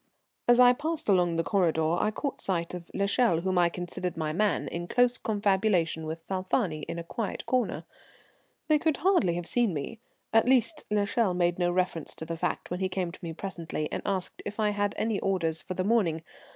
As I passed along the corridor I caught sight of l'Echelle, whom I considered my man, in close confabulation with Falfani in a quiet corner. They could hardly have seen me, at least l'Echelle made no reference to the fact when he came to me presently and asked if I had any orders for the morning.